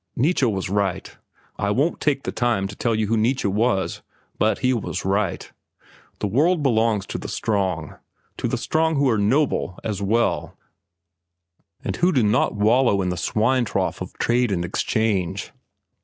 "Nietzsche was right. I won't take the time to tell you who Nietzsche was, but he was right. The world belongs to the strong—to the strong who are noble as well and who do not wallow in the swine trough of trade and exchange.